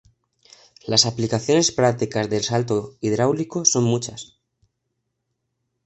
Las aplicaciones prácticas del salto hidráulico son muchas.